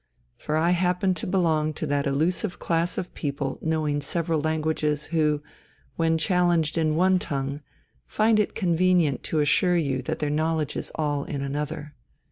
For I happen to belong to that elusive class of people knowing several languages who, when challenged in one tongue, find it convenient to assure you that their knowledge is all in another.